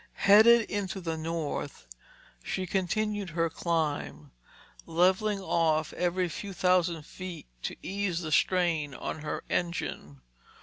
Headed into the north, she continued her climb, leveling off every few thousand feet to ease the strain on her engine.